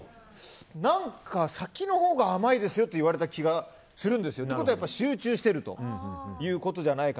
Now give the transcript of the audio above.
何か、先のほうが甘いですよって言われた気がするんですよね。ということは集中しているのではと。